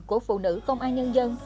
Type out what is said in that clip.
của phụ nữ công an nhân dân